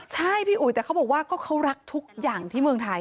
ใช่พี่อุ๋ยแต่เขาบอกว่าก็เขารักทุกอย่างที่เมืองไทย